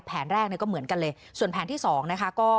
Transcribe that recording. แผนแรกเนี่ยก็เหมือนกันเลยส่วนแผนที่สองนะคะ